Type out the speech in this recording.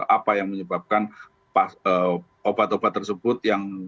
apa yang menyebabkan obat obat tersebut yang